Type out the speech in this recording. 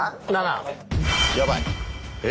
やばい！え？